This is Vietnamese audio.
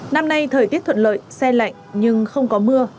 năm nay thời tiết thuận lợi xe lạnh nhưng không có mưa